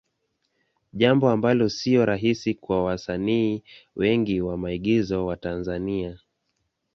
Jambo ambalo sio rahisi kwa wasanii wengi wa maigizo wa Tanzania.